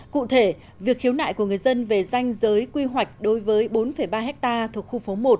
cụ thể việc khiếu nại của người dân về danh giới quy hoạch đối với bốn ba ha thuộc khu phố một